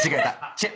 チェッ！